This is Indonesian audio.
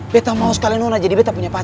betta mau sekalian nona jadi betta punya omongan